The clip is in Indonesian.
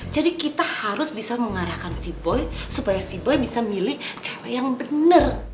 jadi kita harus bisa mengarahkan si boy supaya si boy bisa milih cewek yang bener